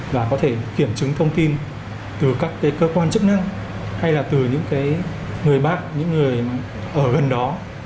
và có thể kiểm chứng thông tin từ các cơ quan chức năng hay là từ những người bác những người ở gần đó